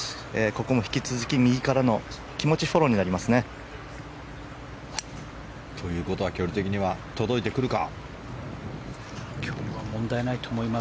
ここも引き続き右からの気持ちフォローになりますね。ということは距離的には届いてくるか。